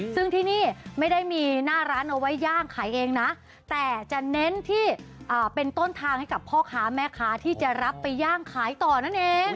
ซึ่งที่นี่ไม่ได้มีหน้าร้านเอาไว้ย่างขายเองนะแต่จะเน้นที่เป็นต้นทางให้กับพ่อค้าแม่ค้าที่จะรับไปย่างขายต่อนั่นเอง